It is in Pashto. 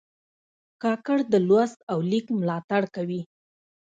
کاکړ د لوست او لیک ملاتړ کوي.